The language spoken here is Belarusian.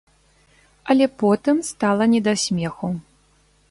Але потым стала не да смеху.